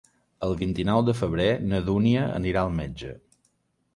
El vint-i-nou de febrer na Dúnia anirà al metge.